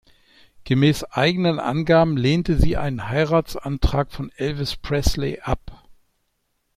Gemäß eigenen Angaben lehnte sie einen Heiratsantrag von Elvis Presley ab.